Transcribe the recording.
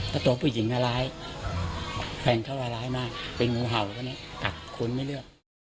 ก็ตบผู้หญิงอาร้ายแฟนเขาอาร้ายมากเป็นหมูเห่าอะไรอย่างนี้ตัดคุ้นไม่เลือก